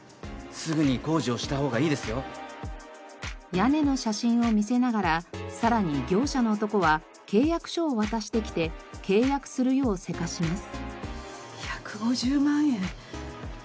屋根の写真を見せながらさらに業者の男は契約書を渡してきて契約するよう急かします。